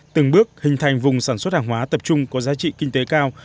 từng bước hình thành vùng sản xuất hàng hóa tập trung có giá trị kinh tế cao